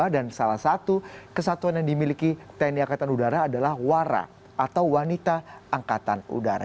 dan salah satu kesatuan yang dimiliki tni angkatan udara adalah wara atau wanita angkatan udara